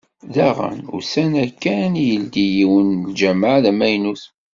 Daɣen, ussan-a kan i yeldi yiwen n lǧamaɛ d amaynut.